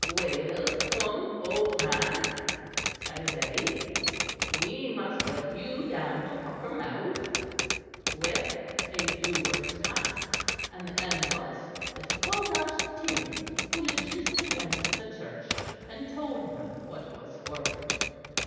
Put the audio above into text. "'Well, come, old man,' say they, 'we must help you down to Cockermouth.' "Well, a few words passed; and the end was that he called out to Tim, who lived just against the church; and told them what was forward.